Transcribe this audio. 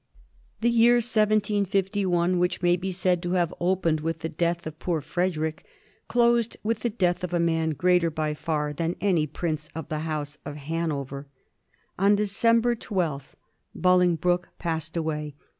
The year 1751, which may be said to have opened with the death of poor Frederick, closed with the death of a man greater by far than any prince of the House of Han over. On December 12th Bolingbroke passed away.